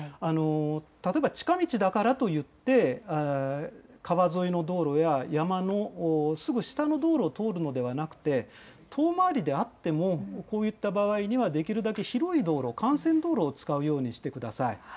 例えば近道だからといって、川沿いの道路や山のすぐ下の道路を通るのではなくて、遠回りであっても、こういった場合には、できるだけ広い道路、幹線道路を使うようにしてください。